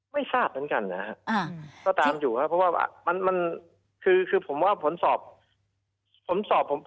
ไม่ทราบเหมือนกันนะครับก็ตามอยู่ครับเพราะว่ามันคือผมว่าผลสอบผมสอบผม